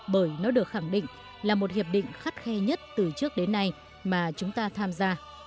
bởi nó được khẳng định là một hiệp định khắt khe nhất từ trước đến nay mà chúng ta tham gia